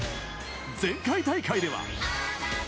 前回大会では。